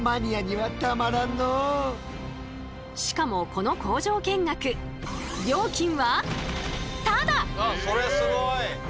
しかもこの工場見学料金はそれすごい！